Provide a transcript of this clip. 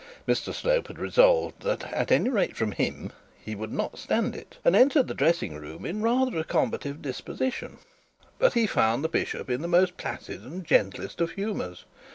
Mr Slope had resolved that at any rate from him he would not stand it, and entered the dressing room in rather a combative disposition; but he found the bishop in the most placid and gentle of humours.